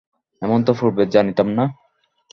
এমন তো পূর্বে জানিতাম না।